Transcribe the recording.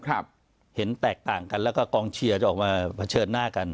เห็นแตกต่างกันแล้วก็กองเชียร์จะออกมาเผชิญหน้ากัน